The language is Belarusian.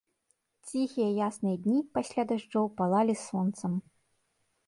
Ціхія ясныя дні, пасля дажджоў, палалі сонцам.